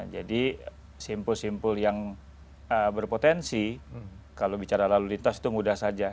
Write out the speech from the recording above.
jadi simpul simpul yang berpotensi kalau bicara lalu lintas itu mudah saja